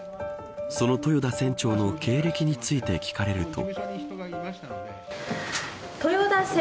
その豊田船長の経歴について聞かれると。